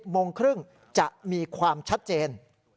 โมงครึ่งจะมีความชัดเจน